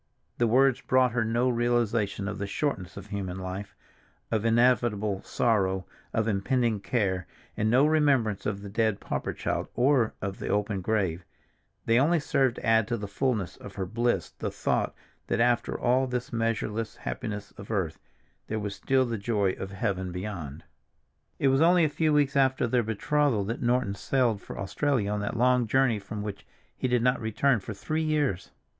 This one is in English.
_" The words brought her no realization of the shortness of human life, of inevitable sorrow, of impending care, and no remembrance of the dead pauper child, or of the open grave—they only served to add to the fullness of her bliss the thought that after all this measureless happiness of earth, there was still the joy of heaven beyond. II IT was only a few weeks after their betrothal that Norton sailed for Australia on that long journey from which he did not return for three years.